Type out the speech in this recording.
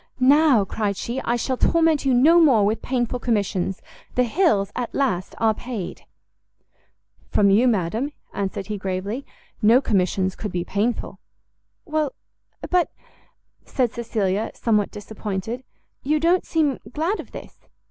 "Now," cried she, "I shall torment you no more with painful commissions; the Hills, at last, are paid!" "From you, madam," answered he gravely, "no commissions could be painful." "Well, but," said Cecilia, somewhat disappointed, "you don't seem glad of this?"